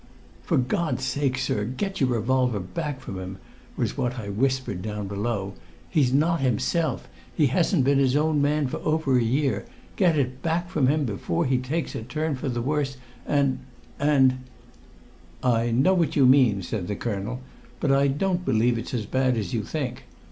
"For God's sake, sir, get your revolver back from him!" was what I whispered down below. "He's not himself. He hasn't been his own man for over a year. Get it back from him before he takes a turn for the worse and and " "I know what you mean," said the colonel, "but I don't believe it's as bad as you think.